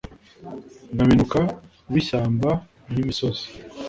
baminuka bi shyamba ni misozi